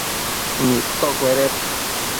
nidtocueded